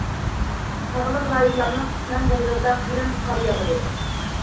تاغلىق رايونلارنىڭ قىسمەن جايلىرىدا قېلىن قار ياغىدۇ.